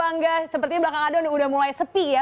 angga seperti belakang ada udah mulai sepi ya